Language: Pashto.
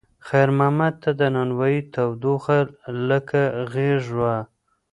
خیر محمد ته د نانوایۍ تودوخه لکه غېږ وه.